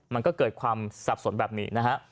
มันก็เกิดความสับสนแบบนี้นะฮะ